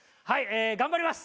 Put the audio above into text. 頑張ります！